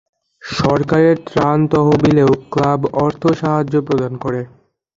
সরকারের ত্রাণ তহবিলেও ক্লাব অর্থসাহায্য প্রদান করে।